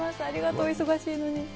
ありがとう、忙しいのに。